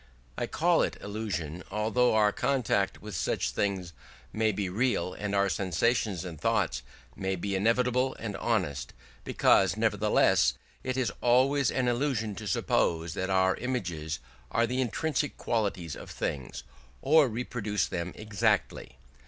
I call it illusion, although our contact with things may be real, and our sensations and thoughts may be inevitable and honest; because nevertheless it is always an illusion to suppose that our images are the intrinsic qualities of things, or reproduce them exactly.